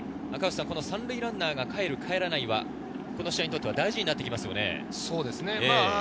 ３塁ランナーがかえる、かえらないは、この試合にとって大事になってきますね。